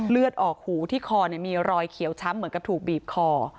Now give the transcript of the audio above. เลือดออกหูที่คอมีรอยเขียวช้ำเหมือนกับถูกบีบคอ